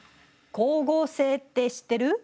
光合成って知ってる？